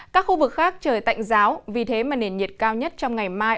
các khu vực khác trời tạnh giáo vì thế mà nền nhiệt cao nhất trong ngày mai